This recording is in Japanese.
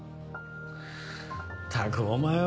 ったくお前は。